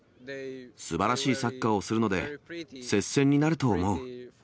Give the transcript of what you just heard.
すばらしいサッカーをするので、接戦になると思う。